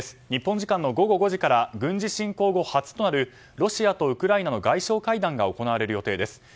日本時間の午後５時から軍事侵攻後初となるロシアとウクライナの外相会談が行われる予定です。